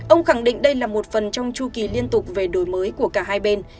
ông khẳng định đây là một phần trong chu kỳ liên tục về đổi mới của cả hai bên